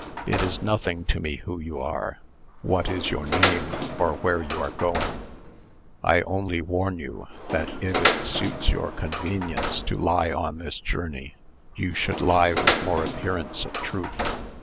It is nothing to me who you are, what is your name, or whither you are going: I only warn you, that if it suits your convenience to lie on this journey, you should lie with more appearance of truth.